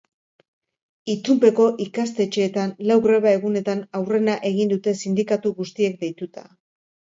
Itunpeko ikastetxeetan lau greba egunetan aurrena egin dute sindikatu guztiek deituta.